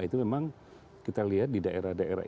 itu memang kita lihat di daerah daerah